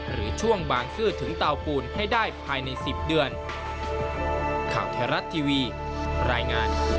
หรือช่วงบางซื่อถึงเตาปูนให้ได้ภายใน๑๐เดือน